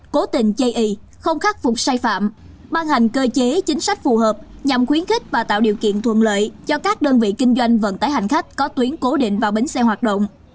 cố tình chây ý không khắc phục sai phạm ban hành cơ chế chính sách phù hợp nhằm khuyến khích và tạo điều kiện thuận lợi cho các đơn vị kinh doanh vận tải hành khách có tuyến cố định vào bến xe hoạt động